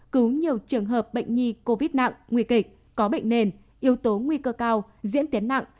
cứu nhiều trường hợp bệnh nhi covid nặng nguy kịch có bệnh nền yếu tố nguy cơ cao diễn tiến nặng